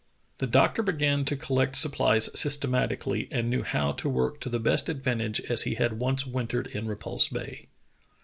The doctor began to collect supplies systematically, and knew how to work to the best advantage as he had once wintered at Repulse Bay.